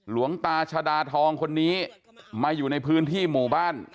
หลวงตาชดาทองคนนี้มาอยู่ในพื้นที่หมู่บ้าน